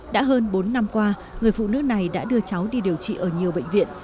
đã hơn bốn năm qua người phụ nữ này đã đưa cháu đi điều trị ở nhiều bệnh viện